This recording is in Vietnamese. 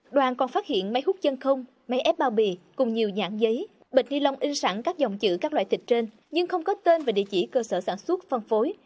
đoàn còn phát hiện máy hút chân không máy ép bao bì cùng nhiều nhãn giấy bịch ni lông in sẵn các dòng chữ các loại thịt trên nhưng không có tên về địa chỉ cơ sở sản xuất phân phối